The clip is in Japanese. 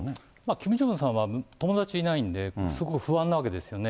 キム・ジョンウンさんは友達いないんで、すごい不安なわけですよね。